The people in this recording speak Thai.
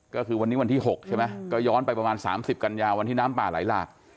ก็คือวันนี้วันที่๖ใช่ไหมก็ย้อนไปประมาณ๓๐กันยาวันที่น้ำป่าไหลหลาก